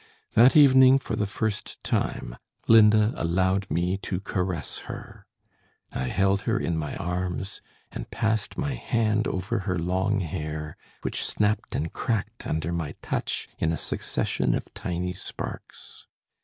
That evening for the first time Linda allowed me to caress her. I held her in my arms and passed my hand over her long hair, which snapped and cracked under my touch in a succession of tiny sparks.